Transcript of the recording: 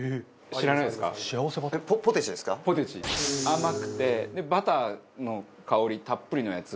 甘くてバターの香りたっぷりのやつ。